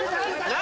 何？